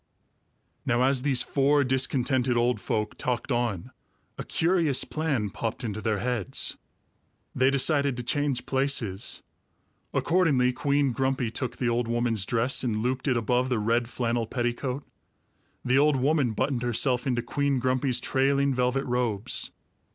Now as these four discontented old folk talked on, a curious plan popped into their heads. They decided to change places. Accordingly, Queen Grumpy took the old woman's dress and looped it above the red flannel petticoat; the old woman buttoned herself into Queen Grumpy's trailing velvet robes.